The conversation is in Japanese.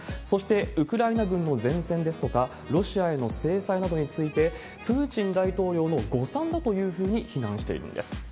そしてウクライナ軍の前線ですとか、ロシアへの制裁などについて、プーチン大統領の誤算だというふうに非難しているんです。